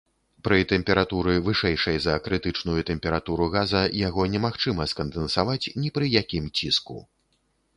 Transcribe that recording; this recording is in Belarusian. Пры тэмпературы, вышэйшай за крытычную тэмпературу газа, яго немагчыма скандэнсаваць ні пры якім ціску.